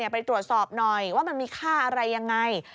ไปตรวจสอบหน่อยว่ามันมีค่าอะไรยังไง